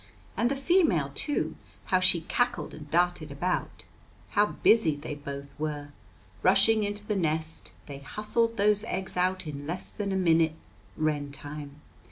And the female, too, how she cackled and darted about! How busy they both were! Rushing into the nest, they hustled those eggs out in less than a minute, wren time.